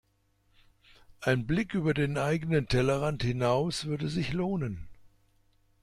Ein Blick über den eigenen Tellerrand hinaus würde sich lohnen.